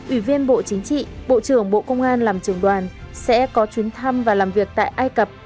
ủy viên bộ chính trị bộ trưởng bộ công an làm trường đoàn sẽ có chuyến thăm và làm việc tại ai cập